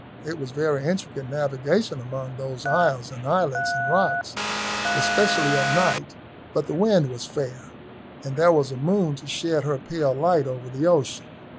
It was very intricate navigation among those isles and islets and rocks, especially at night, but the wind was fair, and there was a moon to shed her pale light over the ocean.